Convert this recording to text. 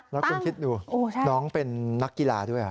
แล้วคุณคิดดูน้องเป็นนักกีฬาด้วย